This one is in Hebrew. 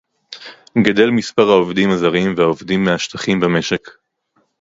גדל מספר העובדים הזרים והעובדים מהשטחים במשק